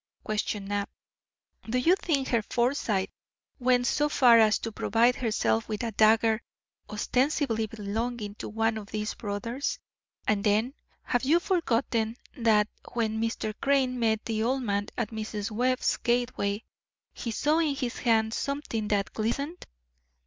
questioned Knapp. "Do you think her foresight went so far as to provide herself with a dagger ostensibly belonging to one of these brothers? And then, have you forgotten that when Mr. Crane met the old man at Mrs. Webb's gateway he saw in his hand something that glistened?